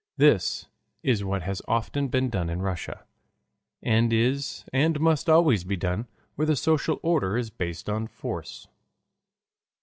This is what has often been done in Russia, and is and must always be done where the social order is based on force.